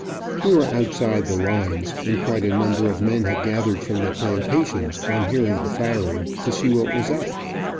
We were outside the lines, and quite a number of men had gathered from the plantations, on hearing the firing, to see what was up.